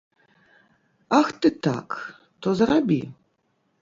Ах ты так, то зарабі.